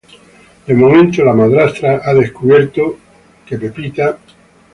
De momento la madrastra ha descubierto que Mrs.